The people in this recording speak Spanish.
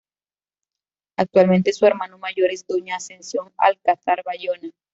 Actualmente su hermano mayor es doña Ascensión Alcazar Bayona.